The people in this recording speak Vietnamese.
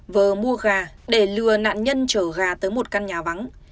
vừa mua gà để lừa nạn nhân chở gà tới một căn nhà vắng